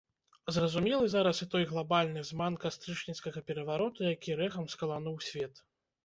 Зразумелы зараз і той глабальны зман кастрычніцкага перавароту, які рэхам скалануў свет.